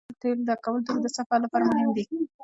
د موټر تیلو ډکول د اوږده سفر لپاره مهم دي.